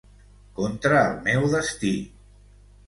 Contra el meu destí.